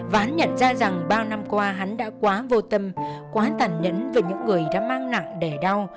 và hắn nhận ra rằng bao năm qua hắn đã quá vô tâm quá tàn nhẫn về những người đã mang nặng đẻ đau